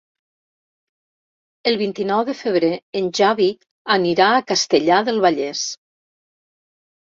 El vint-i-nou de febrer en Xavi anirà a Castellar del Vallès.